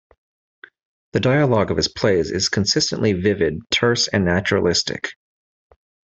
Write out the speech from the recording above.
The dialogue of his plays is consistently vivid, terse, and naturalistic.